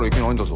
はい。